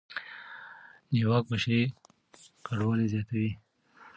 نیواک بشري کډوالۍ زیاتوي.